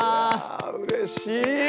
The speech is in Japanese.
うれしい！